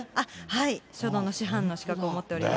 はい、書道の師範の資格を持っております。